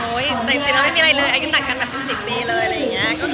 โอ้ยในจิตมันไม่มีอะไรเลยอายุตักกันแบบเป็น๑๐ปีเลยอะไรอย่างเงี้ย